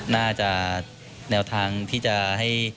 น่าจะแนวทางที่จะให้